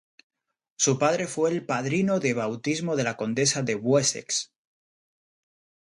Su padre fue el padrino de bautismo de la condesa de Wessex.